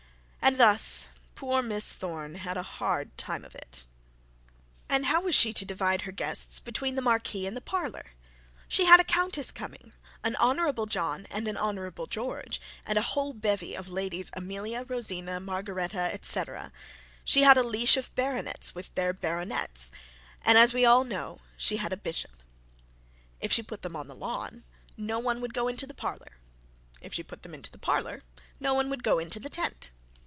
And thus poor Miss Thorne had a hard time of it. And how was she to divide the guests between the marquee and the parlour? She had a countess coming, and Honourable John and an Honourable George, and a whole bevy of Ladies Amelia, Rosina, Margaretta &c she had a leash of baronets with their baronesses; and, as we all know, a bishop. If she put them on the lawn, no one would go into the parlour; if she put them into the parlour, no one would go into the tent.